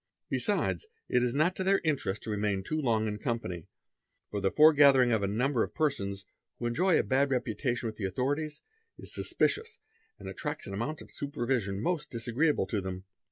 Besides it is not to their interest to "Temain too long in company, for the foregathering of a number of 'persons, who enjoy a bad reputation with the authorities, is suspicious anc attracts an amount of supervision most disagreeable to them.